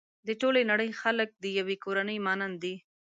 د ټولې نړۍ خلک د يوې کورنۍ مانند دي.